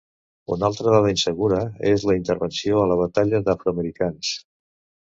Una altra dada insegura és la intervenció a la batalla d'afroamericans.